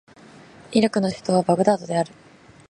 イラクの首都はバグダードである